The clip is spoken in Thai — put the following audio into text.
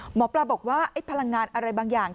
หมอปลาบอกว่าไอ้พลังงานอะไรบางอย่าง